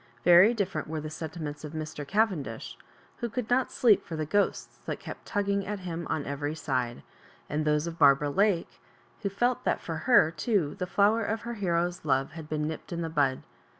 Very different were the sentiments of Mr. Cavendish, who o6uld not sleep for the ghosts that kept tugging at him on every side ; and those of Barbara Lake, who felt that for her too the flower of her hero's love had been nipped in the bud.